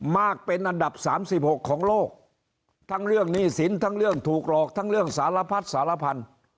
มากเป็นอันดับสามสิบหกของโลกทั้งเรื่องหนี้สินทั้งเรื่องถูกหลอกทั้งเรื่องสารพัดสารพันธุ์